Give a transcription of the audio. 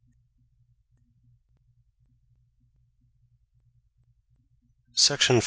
nt section.